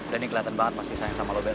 dani keliatan banget masih sayang sama lo bel